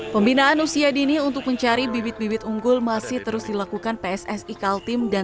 pembinaan usia dini untuk mencari bibit bibit unggul masih terus dilakukan pssi kaltim dan